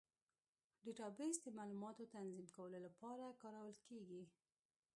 ډیټابیس د معلوماتو تنظیم کولو لپاره کارول کېږي.